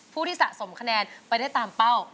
ผู้ที่สะสมคะแนนไปได้ตามเป้า